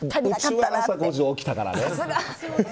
うちは５時に起きたからね。